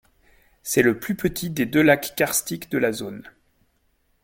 C'est le plus petit des deux lacs karstiques de la zone.